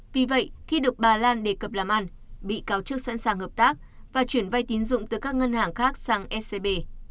vì vậy khi được bà lan đề cập làm ăn bị cáo trước sẵn sàng hợp tác và chuyển vay tín dụng từ các ngân hàng khác sang scb